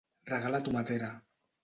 Regar la tomatera.